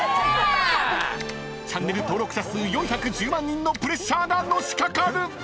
［チャンネル登録者数４１０万人のプレッシャーがのしかかる！］